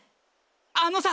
あのさ！